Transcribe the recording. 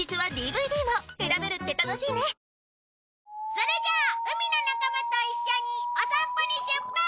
それじゃあ海の仲間と一緒にお散歩に出発！